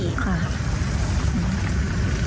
คุณผู้ชมถามมาในไลฟ์ว่าเขาขอฟังเหตุผลที่ไม่ให้จัดอีกที